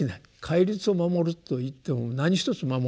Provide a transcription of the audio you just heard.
戒律を守るといっても何一つ守れない。